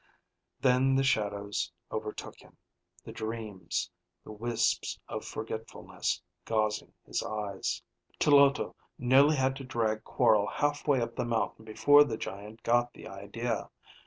Then the shadows overtook him, the dreams, the wisps of forgetfulness gauzing his eyes. Tloto nearly had to drag Quorl halfway up the mountain before the giant got the idea.